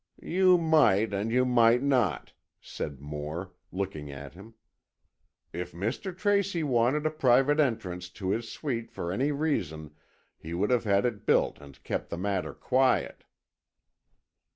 "You might and you might not," said Moore, looking at him. "If Mr. Tracy wanted a private entrance to his suite for any reason, he would have had it built and kept the matter quiet."